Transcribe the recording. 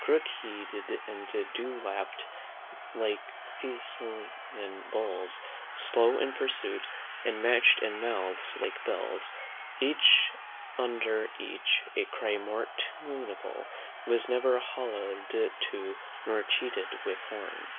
Crook knee'd and dew lap'd like Thessalian bulls, Slow in pursuit, but match'd in mouths like bells, Each under each: A cry more tuneable Was never holla'd to, nor chear'd with horn.